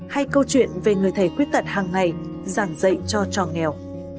hay câu chuyện về người thầy quyết tật hàng ngày giảng dạy cho trò nghèo